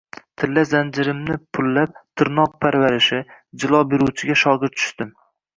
Tilla zanjirimnipullab, tirnoq parvarishi, jilo beruvchisiga shogird tushdim